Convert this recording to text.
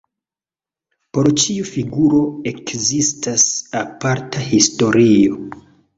Por ĉiu figuro ekzistas aparta historio.